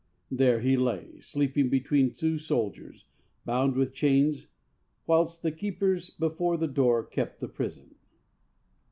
There he lay, 'sleeping between two soldiers, bound with chains, whilst the keepers before the door kept the prison.'